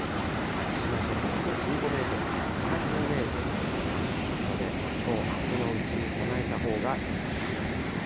先島諸島５５メートルから７０メートルとなっていますので、きょう、あすのうちに備えたほうがよさそうです。